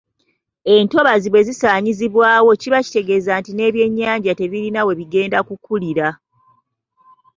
Entobazi bwe zisaanyizibwawo kiba kitegeeza nti n’ebyennyanja tebirina we bigenda kukulira.